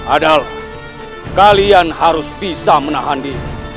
adalah kalian harus bisa menahan diri